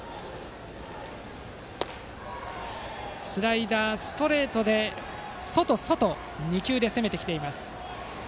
スライダー、ストレートで外、外と２球で攻めてきています。